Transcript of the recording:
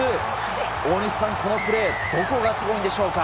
大西さん、このプレー、どこがすごいんでしょうか。